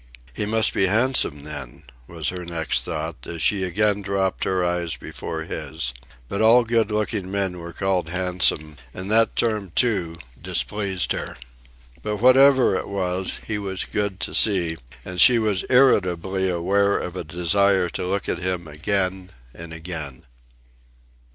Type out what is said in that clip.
"He must be handsome, then," was her next thought, as she again dropped her eyes before his. But all good looking men were called handsome, and that term, too, displeased her. But whatever it was, he was good to see, and she was irritably aware of a desire to look at him again and again.